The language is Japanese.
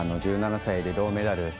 １７歳で銅メダル。